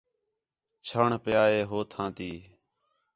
چھݨ پِیا ہے ہو تھاں تی